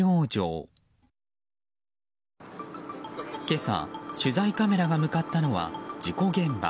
今朝、取材カメラが向かったのは事故現場。